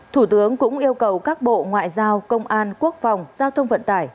thủ tướng cũng yêu cầu các bộ ngoại giao công an quốc phòng giao thông vận tải